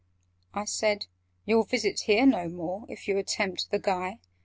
'" I said "You'll visit here no more, If you attempt the Guy.